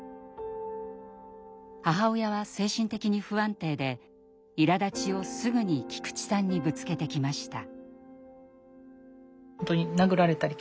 母親は精神的に不安定でいらだちをすぐに菊池さんにぶつけてきました。